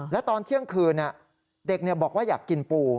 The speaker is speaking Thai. และตอนเที่ยงคืนเด็กบอกว่าอยากกินปู